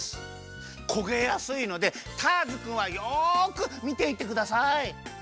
こげやすいのでターズくんはよくみていてください！